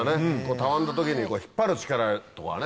たわんだ時に引っ張る力とかね。